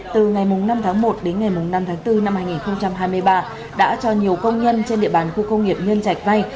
từ ngày năm tháng một đến ngày năm tháng bốn năm hai nghìn hai mươi ba đã cho nhiều công nhân trên địa bàn khu công nghiệp nhân trạch vay